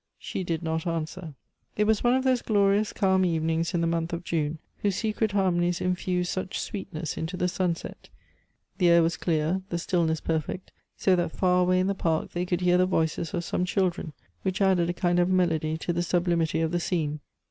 She did not answer. It was one of those glorious, calm evenings in the month of June, whose secret harmonies infuse such sweetness into the sunset. The air was clear, the stillness perfect, so that far away in the park they could hear the voices of some children, which added a kind of melody to the sublimity of the scene.